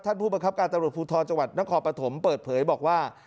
ท่านผู้บังคับการตรวจพูดทอจังหวัดนักขอบประถมเปิดเผยบอกว่า